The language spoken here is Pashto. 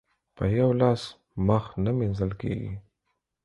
په يوه لاس مخ نه مينځل کېږي.